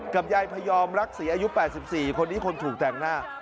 ยายพยอมรักษีอายุ๘๔คนนี้คนถูกแต่งหน้า